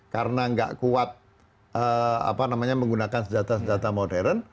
karena gak kuat menggunakan senjata senjata modern